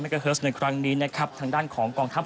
เมก้าเฮิรตช์ในครั้งนี้นะครับทางด้านของกองทับ